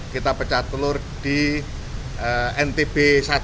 kita pecah telur di ntb satu